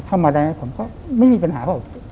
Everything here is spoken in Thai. ดูนั้นไม่มีปัญหา